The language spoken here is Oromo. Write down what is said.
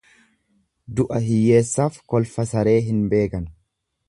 Du'a hiyyeessaaf kolfa saree hin beekan.